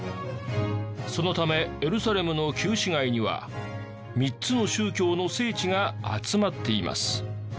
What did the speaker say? そのためエルサレムの旧市街には３つの宗教の聖地が集まっています。